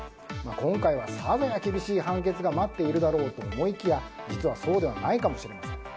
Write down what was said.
今回は、さぞや厳しい判決が待っているだろうと思いきや実はそうではないかもしれません。